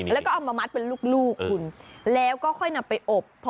แล้วก็เอามามัดเป็นลูกคุณแล้วก็ค่อยนำไปอบ